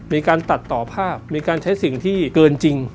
มีการตัดต่อภาพมีการใช้สิ่งที่เกินจริง